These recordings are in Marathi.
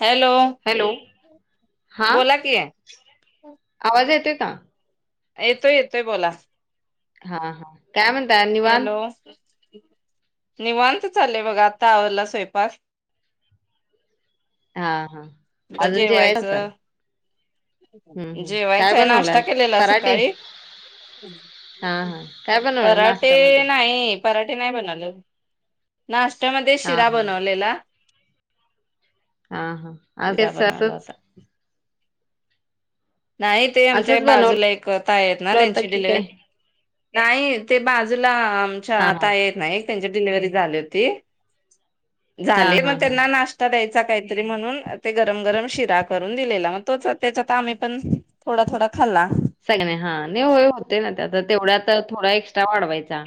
हॅलो! हॅलो! हा बोला की आवाज येते का? येतोय येतोय बोला. हा हा काय म्हणता आणि. हॅलो! निवांत चालेय बघा आता आवडला स्वयंपाक. हा हा अजून जेवायचं असलं. जेवायच काय आहे, बनवलं नाश्ता आज? केलेला पराठे? सकाळी. हा हा काय बनवलं पराठे नाश्त्यामध्ये? नाही. पराठे नाही बनवले, नाश्तामध्ये हा शीरा हा बनवलेला. हा हाच शिरा [unintelligible] बनवला असंच होता नाही ते आमच्या असंच बनवलं बाजूला एक ताई आहेत ना होतं त्यांची की काय? डिलिव्हरी, नाही ते बाजूला हा आमच्या हा ताई येत. नाही त्यांची डिलिव्हरी झाली होती, हा झाली हा पण हा त्यांना नाश- द्यायचा काहीतरी म्हणून ते गरम गरम शिरा करून दिलेला मग तोच त्यांच्या काम- पण थोडा थोडा खाल्ला. सगळे हा, नाही होय होते ना त्या तेवढ्या आता थोडा एक्स्ट्रा वाढवायचा.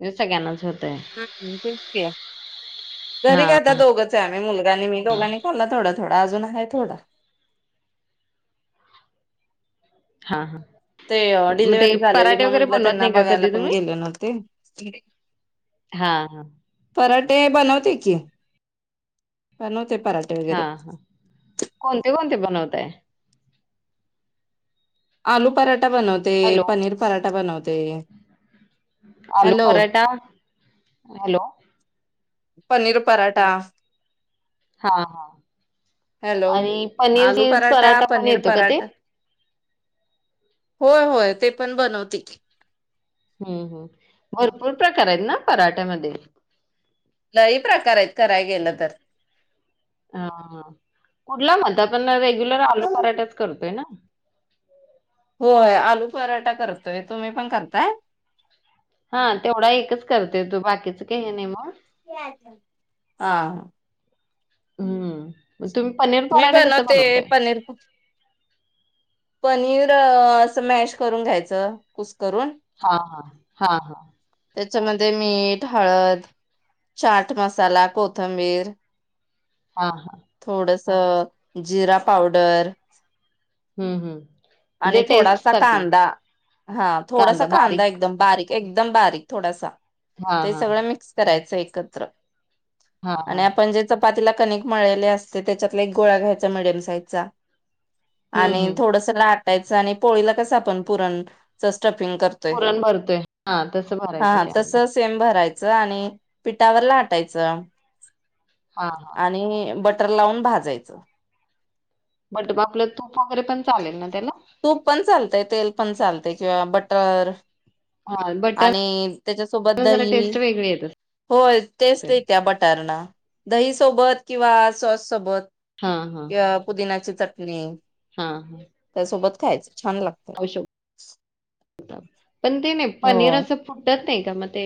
नाही सगळ्यांनाच होतंय, हम्म तेच की. घरी काय हा दोघंच आहे आम्ही मुलगा आणि मी दोघांनी खाल्ला थोडा थोडा अजून आहे थोडा. हा हा ते मग डिलिव्हरी ते झालेली पराठे मग वगैरे म्हंटलं बनवत त्यांना नाही का बघायला कधी पण तुम्ही? गेले नव्हती. हा हा पराठे बनवते की, बनवते पराठे. हा वगैरे. हा कोणते कोणते बनवताय? आलू पराठा बनवते, हॅलो पनीर पराठा बनवते. आलू हॅलो पराठा, हॅलो! पनीर पराठा. हा हा हॅलो आणि पनीर आलू चीज पराठा पण पनीर येतो का ते पराठा होय होय ते पण बनवते की. हम्म हम् भरपूर प्रकारायत ना पराठ्यामध्ये लई प्रकारायत कराय गेलं तर. अं कुठला म्हणता पण रेग्युलर आलू पराठाच करतोय न. होय आलू पराठा करतोय तुम्ही पण करताय. हा तेवढा एकच करते तू, बाकीचं काई हे नाई म. आं. हम्म म तुम्ही पनीर मी पराठा कसं बनवते बनवताय? पनीर पनीर असं मॅश करून घ्यायचं कुसकरून हा हा, हा हा. त्याच्यामध्ये मीठ, हळद, चाट मसाला, कोथंबीर आ हा. थोडसं जिरा पावडर. हम्म हम्. आणि थोडासा कांदा, हा थोडासा कांदा एकदम बारीक एकदम बारीक थोडासा, हा ते हा सगळं मिक्स करायचं एकत्र. हा हा आणि आपण जे चपातीला कनीक् मळलेली असते त्याच्यातला एक गोळा घ्यायचा मिडीयम साईजचा हम्म आणि हम्म थोडसं लाटायचा आणि पोळीला कसं आपण पुरणचं स्टफींग कर पुरण भरतोय हा तसं भरायचं तस त्यामध्ये. सेम भरायचं आणि पिठावर लाटायचं हां, हां. आणि बटर लावून भाजयचं. बट बा आपलं तूप वगैरे पण चालेल ना त्याला? तूप पण चालतंय तेल पण चालतंय किंवा बटर हां, बटरला आणि त्याच्यासोबत जरा दही टेस्ट वेगळी येत होय टेस्ट असेल. येत्या बटरनं. दही सोबत किंवा सॉस सोबत हां, किंवा पुदिनाची चटणी हा हा. त्यासोबत खायचं छान लागत. असं पण ते नई पनीर हो असं फुटत नाई का म ते.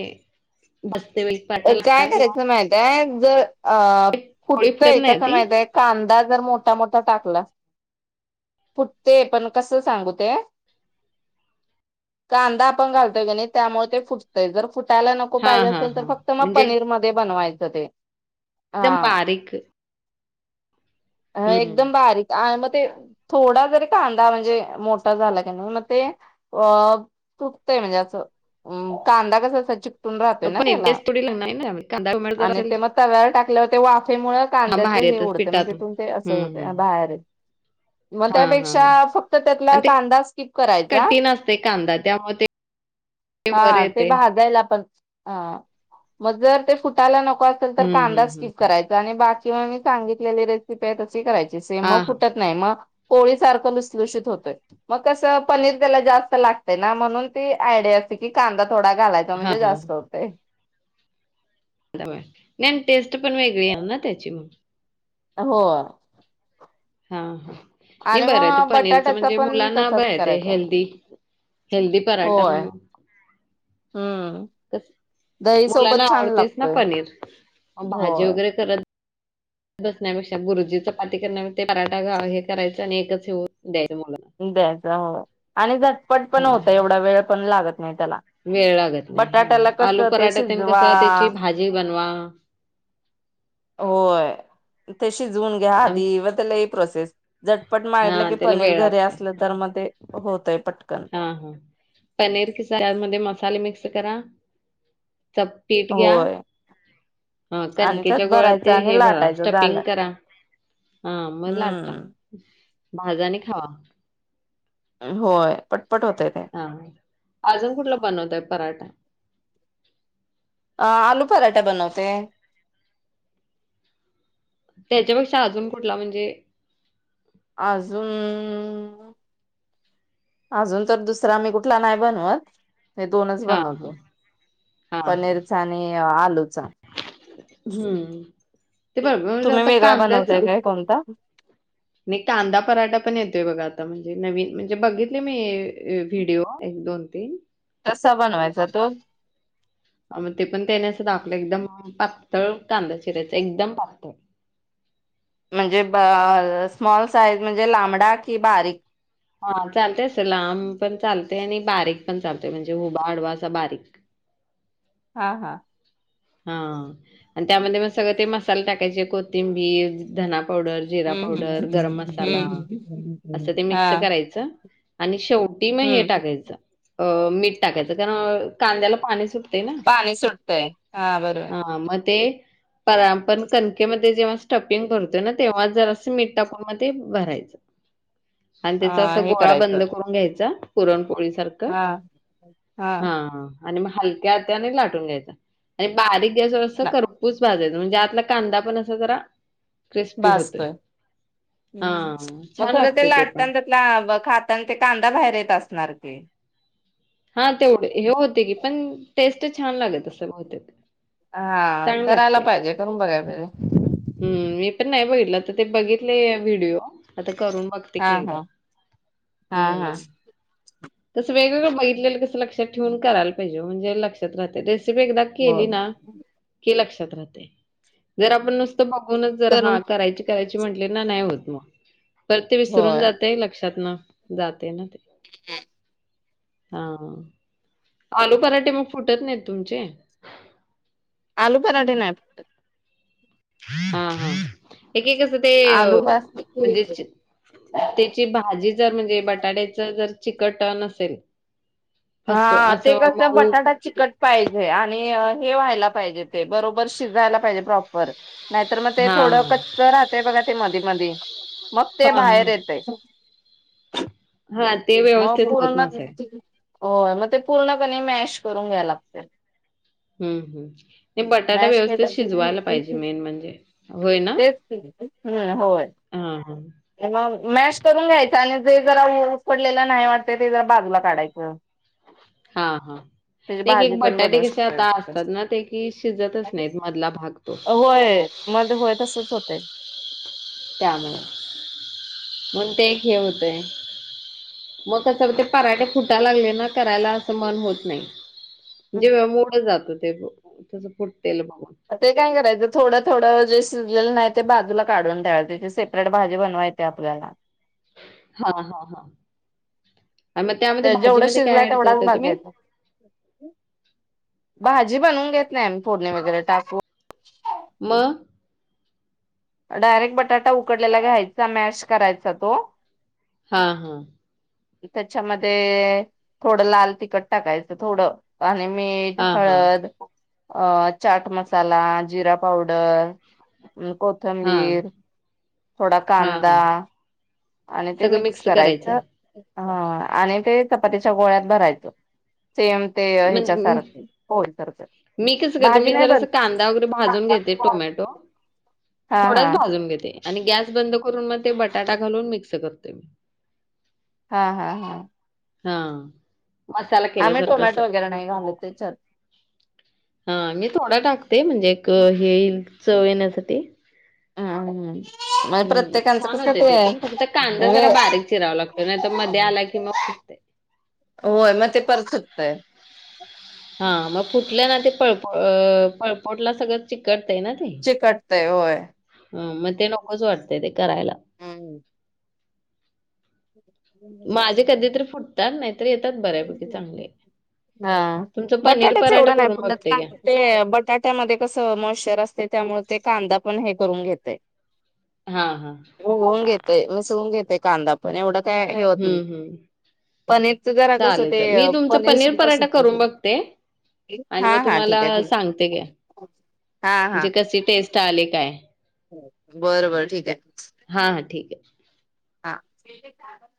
भाजते वेळी पाटा लागता काय किंवा करायचं माईताय जर अ पोळी फुटत फुटतंय नाही ना कसं ती? माईताय कांदा जर मोठा मोठा टाकलास फुटते पण कसं सांगू ते कांदा आपण घालतोय क नाई त्यामुळे ते फुटतंय जर फुटायला नको पायजे हां, हां, असेल तर हां. फक्त म म्हणजे पनीर मध्ये बनवायचं ते -कदम बारीक हा हं, एकदम हं. बारीक आय म ते थोडा जरी कांदा म्हणजे मोठा झाला की नाई म ते अ चुकतंय म्हणजे असं अ कांदा कसा असा ची राहतोय ना पण त्याला टेस्ट थोडी लागणार आहे ना त्यामध्ये. कांदा टोमॅटो जर आणि असेल ते म तव्यावर टाकल्यावर ते वाफेमुळं हां, कांद्याच बाहेर हे येतच उडतं म पिठातून. तिथून ते असं हं, होते हं. आ बायेरे हां हा हां त्यातला अन् ते कांदा स्किप करायचा कठीण असते कांदा त्यामुळं ते वर हा ते येते. भाजायला पण हा मग जर ते फुटायला नको तर हं, कांदा हं, हं. स्कीप करायचा आणि बाकी म मी सांगितलेली रेसिपी आहे तशी करायची सेम म हां, हां. फुटत नाही म पोळी सारखं लुसलुषित होतोय मग कस पनीर त्याला जास्त लागतय ना म्हणून ती आयडिया कांदा थोडा घालायचा हां, म्हणजे हां. जास्त होतय नाही अन् टेस्ट पण वेगळी येईल ना त्याची हो हा हा नाही आणि बरं आहेे ते मग पनीरचं बटाट्याचा म्हणजे पण मुलांना तसाच बर आहेेते करायचा. हेल्दी हेल्दी पराठा म्हणू हू मुलांना आवडतयच ना पनीर म भाजी होय वगैरे करत बसण्यापेक्षा भुर्जी चपाती करण्या ते पराठा हे करायचं आणि एकच हे द्यायला मुला द्यायचं हो आणि झटपट पण होतय एवढा वेळ पण लागत नाही त्याला वेळ लागत नाही हा बटाट्याला आलू कसं ते पराठा तेन कस शिजवा त्याची भाजी बनवा होय ते शिजवून घ्या आधी व ते लई प्रोसेस झटपट मळलं हां, की त्याला पनीर वेळ घरी लागतंय. असलं तर म ते होतय पटकन ह पनीर खिसा त्यामध्ये मसाले मिक्स करा पीठ घ्या होय ह आणि त्यात कणकेच्या गोळ्या भरायचं ते आणि हे भरा लाटायचं स्टपिंग झालं करा हा मग लाटला हम्म भाजा आणि खावा होय पटपट होतय ते हा अजून कुठला बनवताय पराठा अ आलू पराठा बनवते त्याच्यापेक्षा अजून कुठला म्हणजे आजून आजून तर दुसरा मी कुठला नाही बनवत हे दोनच हा हा बनवतो पनीरचा आणि आलूचा हू ते भरपूर तुम्ही होत वेगळा कांद्याच बनवताय काय कोणता नई कांदा पराठा पण येतोय बघा आता म्हणजे नवीन म्हणजे बघितले मी व्हिडिओ एक दोन ते कसा बनवायचा तो [inaudible] मग ते पण त्यानी असं दाखवलं एकदम पातळ कांदा चिरायच एकदम पातळ म्हणजे स्मॉल साईज म्हणजे लांबडा की बारीक हा चालतय असं लांब पण चालतय आणि बारीक पण चालतय म्हणजे उभा अडवा असा बारीक हा हा हा आणि त्यामध्ये मग सगळं ते मसाले टाकायचे कोथिंबीर धना पावडर जिरा हम्म हम्म पावडर गरम मसाला हम्म असं हम्म. ते मिक्स हा करायचं आणि शेवटी म हे हम्म टाकायचं अ मीठ टाकायच कारण कांद्याला पाणी सुटतय ना पाणी सुटतय हा बरं हा म ते परा आपण कणकेमध्ये जेव्हा स्टपिंग भरतोय ना तेव्हा जरास मीठ टाकून म ते भरायच आणि त्याच अस अ हे गोळा बंद करायचं करून घ्यायचा पुरणपोळी सार क हा हा आणि म हलक्या हाताने लाटून घ्यायचा आणि बारीक ते जरासं ना खरपूस भाजायचं म्हणजे आतला कांदा पण असा जरा क्रिस्पी होतोय भाजतोय हा छान लागतय ते पण लाब खाताना ते कांदा बाहेर येत असणार की.? हा तेवढंं हे होतयं की, पण टेस्ट छान लागत असंल बहुतेक. हा चांगली कराला पाहिजे, करून बघाय पाहिजे. हं.. मी पण नाही बघितलं आता ते बघितलंय व्हिडिओ आता करून बघ हा, हा. हा, हा. तसं वेगवेगळं बघितलेलं कसं लक्षात ठेवून करायला पाहिजे, वो, म्हणजे लक्षात राहते रेसिपी एकदा हो केली ना की लक्षात राहतंय जर आपण नुसतं बघूनच जर हा करून करायची करायची म्हटली ना नाही होतं मग परत ते विसरून होय जातयं, लक्षातनं जातयं ना ते. [unintelligible] हा, आलू पराठे मग फुटत नाहीत तुमचे? आलू पराठे नाही फुटत. हा, हा. एक- एक कसं ते आलू म्हणजे भाजी चि त्याची भाजी जर म्हणजे बटाट्याच जर चिकट नसेल फसफ हा ते असं कसं मऊ बटाटा. चिकट पाहिजे आणि हे व्हायला पाहिजे ते बरोबर शिजायला पाहिजे प्रॉपर. नाहीतर मग ते हा थोडं हा कच्चं राहतयं बघा ते मधी- मधी मग ते हा बाहेर येतय. हा ते मग व्यवस्थित होत पूर्ण, नसेल होय मग ते पूर्णपणे मॅश करून घ्याय लागतंय. हुं.. हुं.. नाही बटाटा व्यवस्थित शिजवायला पाहिजे मेन म्हणजे होय ना. हं.. होय. हां.. हा.. मग मॅश करून घ्यायचा आणि जे जरा उ उकडलेला नाही वाटतंय ते जर बाजूला काढायचं. हा.. हा.. त्याची भाजी एक-एक पण बटाटे बनवू कसे शकतोय आता आपण असतात ना, ते की शिजतच नाहीत मधला भाग तो. होय मध्ये होय तसच होतंय. त्यामुळे मग ते हे होतंय. मग कसं ते पराठे फुटा लागले ना करायला असं मन होत नाही. जेव्हा मूडच जातो ते तसं फुटतेलं बघून. ते काय करायचं, थोडं -थोडं जे शिजलेलं नाही ते बाजूला काढून ठेवायाचं, त्याची सेपरेट भाजी बनवायची. त्या आपल्याला. हा, हा.. हा.. मग त्यामध्ये तर जेवढं भाजीमध्ये शिजलाय काय ऍड तेवढाच करताय तुम्ही? भाजायचा भाजी बनवून घेत नाही आम्हीं फोडणी वगैरे टाकून. मग डायरेक्ट बटाटा उकडलेला घ्यायचा, मॅश करायचा तो. हा, हा. त्याच्यामध्ये थोडं लाल तिखट टाकायचं थोडं. आणि मीठ, हा हा हळद. अ चाट मसाला, जिरा पावडर, आणि कोथ हा थंबीर, थोडा हा कांदा हा आणि ते मिक्स करायचं. हा आणि ते चपातीच्या गोळ्यात भरायचं सेम. ते म्हणजे ह्याच्या म सारखं पोळीसारखं. मी कसं करते, मी जरासं कांदा वगैरे हा भाजून घेते, टोमॅटो थोडाच हा भाजून घेते. आणि गॅस बंद करून मग ते बटाटा घालून मिक्स करतोय मी. हा हा हा. हां. आम्ही टोमॅटो वगैरे नाही घालत त्याच्यात. हा मी थोडा टाकते म्हणजे एक हे येईल चव येण्यासाठी. आ हम. हम् छान होते ते पण. फक्त कांदा जरा म्हणजे बारीक चिरावा लागतो नाही तर मध्ये आला की फुटते. होय मग ते परत फुटतंय. [unintelligible] हा मग फुटलं ना ते पळप पळपूटला सगळं चिकटतय ना ते. चिकटतय होय. हा मग ते नकोच वाटतय ते करायला. हम्म. माझे कधीतरी फुटतात. नाहीतर येतात बऱ्यापैकी चांगले. हा तुमचं पनीर बटाट्याच पराठा एवढं नाही करून फुटत बघते ना. घ्या. ते बटाट्यामध्ये कसं मॉइश्चर असते त्यामुळे ते कांदा पण हे करून घेते. हा हा. होऊन घेतय. मिसवून घेते कांदा पण एवढ काय हे होत नाही. हं, हं. पनीरच जरा कसं चालेल ते चालेल. मी तुमचं पनीर सुद्धा पराठा करून सुकवते. बघते. आणि हा मग हा ठीक तुम्हाला आहे ठीक सांगते की, हा म्हणजे कशी टेस्ट आली काय? बर बर ठीक आहे. हा हा ठीक आहे. हा.